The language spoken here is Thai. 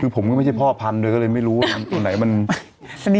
คือผมก็ไม่ใช่พ่อพันธุ์โดยก็เลยไม่รู้ว่าตัวไหนมันสนิท